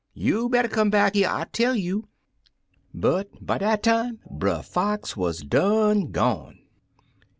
You better come on back here, I tell you!' But by dat time, Brer Fox wuz done gone.